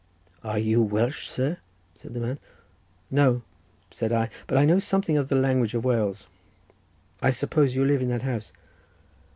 "Are you Welsh, sir?" said the man. "No," said I, "but I know something of the language of Wales. I suppose you live in that house?"